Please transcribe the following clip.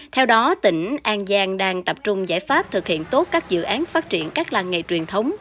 theo đó tỉnh an giang đang tập trung giải pháp thực hiện tốt các dự án phát triển các làng nghề truyền thống